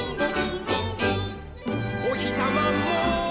「おひさまも」